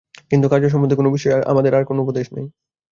কিন্তু কার্য সম্বন্ধে কোন বিষয়ে আর আমার কোন উপদেশ নাই।